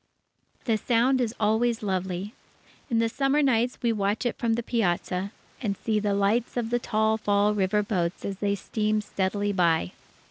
The Sound is always lovely. In the summer nights, we watch it from the piazza, and see the lights of the tall Fall River boats as they steam steadily by.